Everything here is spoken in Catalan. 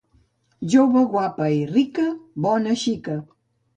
Jove guapa i rica, bona xica.